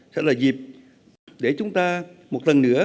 sẽ là dịp để chúng ta một lần nữa